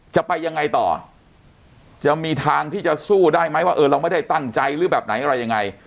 จะไปยังไงต่อจะมีทางที่จะสู้ได้ไหมว่าเออเราไม่ได้ตั้งใจหรือแบบไหนอะไรยังไง